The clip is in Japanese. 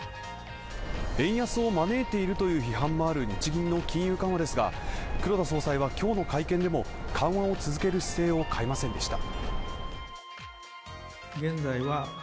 円安を招いているという批判もある日銀の金融緩和ですが黒田総裁は今日の会見でも緩和を続ける姿勢を変えませんでした。